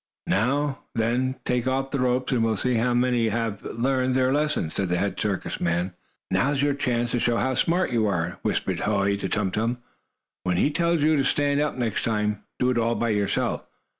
"Now then, take off the ropes, and we'll see how many have learned their lesson," said the head circus man. "Now's your chance to show how smart you are," whispered Hoy to Tum Tum. "When he tells you to stand up next time, do it all by yourself.